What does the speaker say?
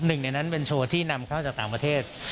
หนึ่งในนั้นเป็นโชว์ที่นำเข้าจากต่างประเทศ